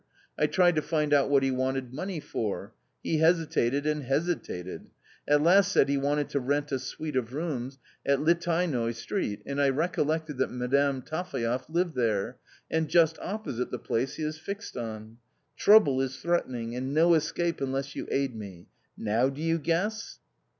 I tried to find out what he wanted money for. He hesitated and hesitated ; at last said he wanted to rent a suite of rooms in Litaynoy Street, and I recollected that Madame Taphaev lived there, and just opposite the place he has fixed on. Trouble is threatening, and no escape unless you aid me. Now do you guess